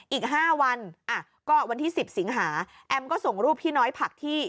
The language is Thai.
อีก๕วันก็วันที่๑๐สิงหาแอมก็ส่งรูปพี่น้อยผักที่